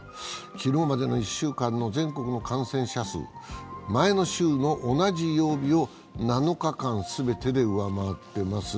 昨日までの１週間の全国の感染者数前の週の同じ曜日を７日間全てで上回っています。